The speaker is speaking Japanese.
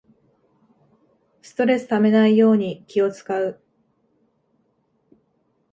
ストレスためないように気をつかう